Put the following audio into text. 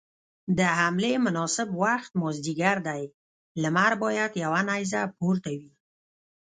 د حملې مناسب وخت مازديګر دی، لمر بايد يوه نيزه پورته وي.